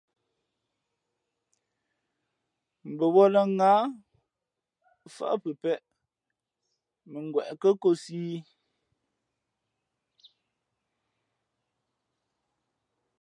Mbαwα̌lᾱ ŋǎh, mfάʼ pepēʼ mα ngweʼ kάkōsī ī.